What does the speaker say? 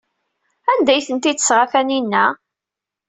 Anda ay ten-id-tesɣa Taninna?